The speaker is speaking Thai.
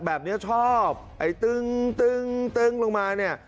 แบบนี้ชอบตึ๊งตึ๊งลงมานี่